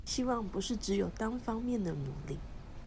希望不是只有單方面的努力